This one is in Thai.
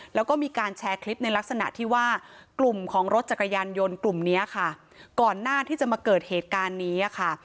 แล้วก็มีการแชร์คลิปในลักษณะที่ว่ากลุ่มของรถจักรยานยนต์กลุ่มนี้ค่ะก่อนหน้าที่จะมาเกิดเหตุการณ์นี้ค่ะ